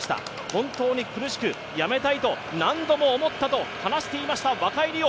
本当に苦しく辞めたいと何度も思ったと話していました若井莉央。